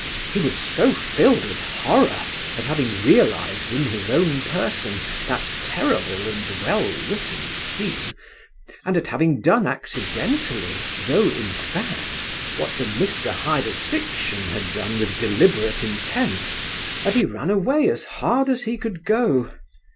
He was so filled with horror at having realised in his own person that terrible and well written scene, and at having done accidentally, though in fact, what the Mr. Hyde of fiction had done with deliberate intent, that he ran away as hard as he could go.